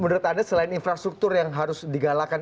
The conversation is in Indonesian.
menurut anda selain infrastruktur yang harus digalakan